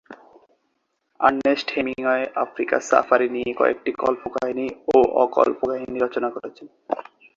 Ernst Hemingway আফ্রিকার safari নিয়ে কয়েকটি কল্পকাহিনি ও অ-কল্পকাহিনি রচনা করেছেন।